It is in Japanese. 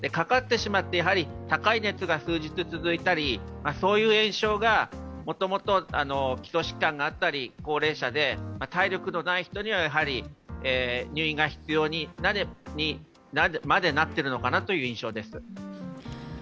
かかってしまって、高い熱が数日続いたり、そういう炎症がもともと基礎疾患があったり、高齢者で体力のない人にはやはり入院が必要にまでなっているのかなという印象です。